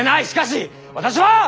しかし私は！